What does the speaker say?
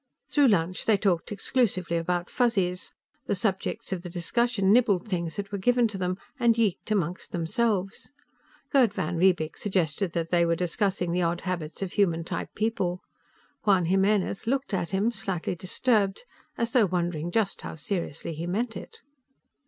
Through lunch, they talked exclusively about Fuzzies. The subjects of the discussion nibbled things that were given to them, and yeeked among themselves. Gerd van Riebeek suggested that they were discussing the odd habits of human type people. Juan Jimenez looked at him, slightly disturbed, as though wondering just how seriously he meant it.